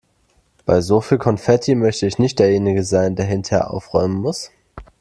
Bei so viel Konfetti möchte ich nicht derjenige sein, der hinterher aufräumen muss.